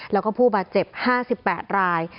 แล้วก็ผู้บาดเจ็บ๕๘ราย